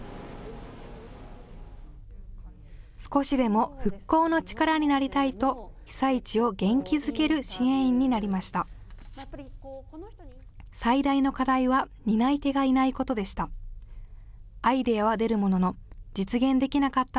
少しでも復興の力になりたいと被災地を元気づける支援員になりました。